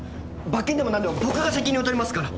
罰金でもなんでも僕が責任を取りますから！